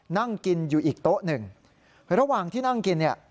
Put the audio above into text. นั่งกินอยู่อีกโต๊ะหนึ่งระหว่างที่นั่งกินเนี่ย